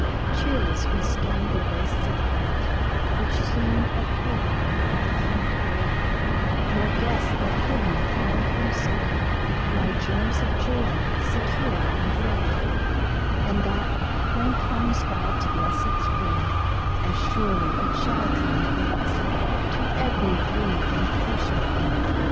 Cheerless we scan the wastes of white Which seem of Hope the high heaped grave, Nor guess that hidden far from sight Lie germs of joy, secure and brave ; And that, when comes God's blessed spring, (As surely it shall come at last To every grieved and patient thing